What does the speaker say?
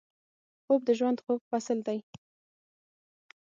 خوب د ژوند خوږ فصل دی